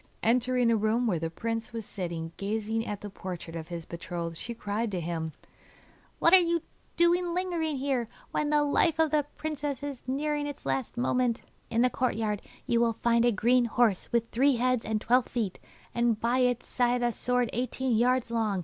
Entering a room where the prince was sitting gazing at the portrait of his betrothed, she cried to him: 'What are you doing lingering here, when the life of the princess is nearing its last moment? In the courtyard you will find a green horse with three heads and twelve feet, and by its side a sword eighteen yards long.